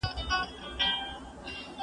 زه به د ښوونځی لپاره امادګي نيولی وي!